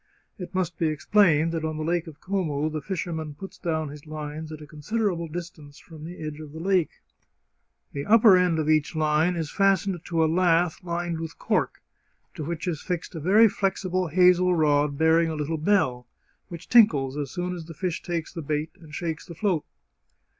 It must be explained that on the Lake of Como the fisherman puts down his lines at a considerable distance from the edge of the lake. The upper end of each line is fastened to a lath lined with cork, to which is fixed a very flexible hazel l6 The Chartreuse of Parma rod bearing a little bell, which tinkles as soon as the fish takes the bait and shakes the float.